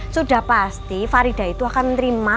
sudah pasti farida itu akan menerima